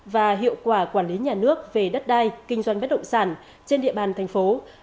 và hiệu quả quản lý nhà nước về đất đai kinh doanh bất động sản trên địa bàn thành phố